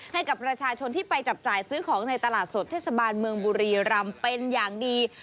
ให้กับประชาชนที่ไปจับจ่ายซื้อของในตลาดสดเทศบาลเมืองบุรีรำเป็นอย่างดี